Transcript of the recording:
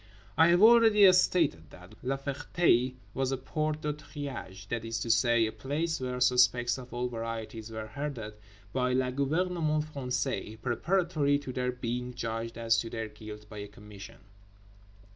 I have already stated that La Ferté was a Porte de Triage—that is to say, a place where suspects of all varieties were herded by le gouvernement français preparatory to their being judged as to their guilt by a Commission.